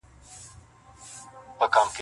• څاڅکي څاڅکي مي د اوښکو -